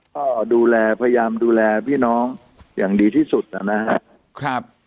ก็ดูแลพยายามดูแลพี่น้องอย่างดีที่สุดนะครับ